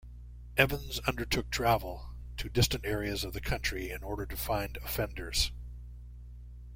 Evans undertook travel to distant areas of the country in order to find offenders.